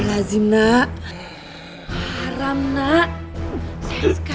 hanya yang haram nak